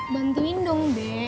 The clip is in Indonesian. bantuin dong be